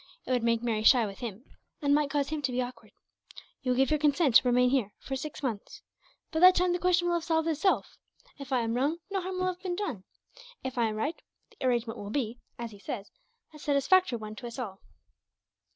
It would make Mary shy with him, and might cause him to be awkward. You give your consent to remain here, for six months. By that time the question will have solved itself. If I am wrong, no harm will have been done. If I am right, the arrangement will be, as he says, a satisfactory one to us all."